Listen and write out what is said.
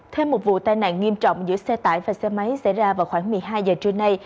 thêm một vụ tai nạn nghiêm trọng giữa xe tải và xe máy xảy ra vào khoảng một mươi hai giờ trưa nay